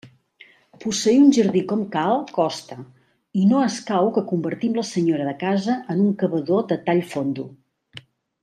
Posseir un jardí com cal costa, i no escau que convertim la senyora de casa en un cavador de tall fondo.